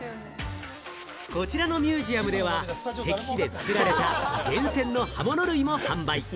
こちらのミュージアムでは、関市で作られた厳選の刃物類も販売。